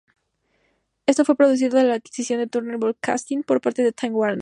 Esto fue producto de la adquisición de Turner Broadcasting por parte de Time Warner.